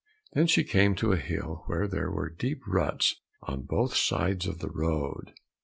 Then she came to a hill where there were deep ruts on both sides of the road.